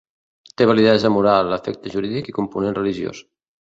Té validesa moral, efecte jurídic i component religiós.